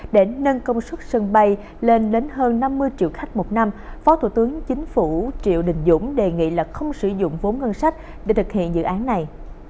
để nâng công suất sân bay lên đến hơn năm mươi triệu khách một năm phó thủ tướng chính phủ triệu đình dũng đề nghị là không sử dụng vốn ngân sách để thực hiện dự án này